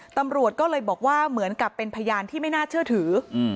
ตำรวจก็เลยบอกว่าเหมือนกับเป็นพยานที่ไม่น่าเชื่อถือ